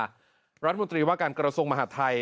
พร้อมด้วยพลเอกอนุพงศ์ผ่าวจินดารัฐมนตรีว่าการกระทรวงมหาธัย